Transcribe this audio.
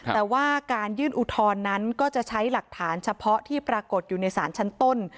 แต่ว่าการยื่นอุทธรณ์นั้นก็จะใช้หลักฐานเฉพาะที่ปรากฏอยู่ในศาลชั้นต้น